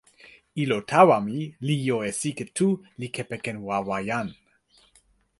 ilo tawa mi li jo e sike tu li kepeken wawa jan.